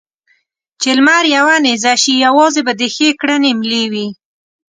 چې لمر يوه نېزه شي؛ يوازې به دې ښې کړنې ملې وي.